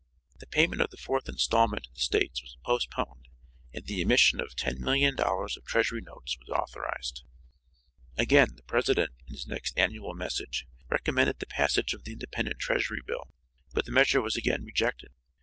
The payment of the fourth installment to the States was postponed, and the emission of $10,000,000 of treasury notes was authorized. Again the President in his next annual message recommended the passage of the independent treasury bill, but the measure was again rejected.